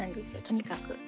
とにかく。